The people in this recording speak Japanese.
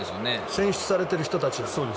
選出されている人たちだから。